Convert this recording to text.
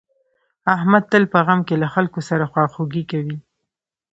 احمد تل په غم کې له خلکو سره خواخوږي کوي.